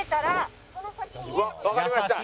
わかりました。